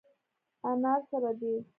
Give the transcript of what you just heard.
انار سره دي.